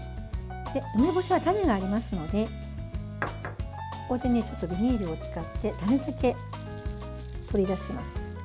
梅干しは種がありますのでここでビニールを使って種だけ取り出します。